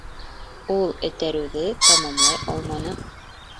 Ул этәреүҙе тамамлай алманы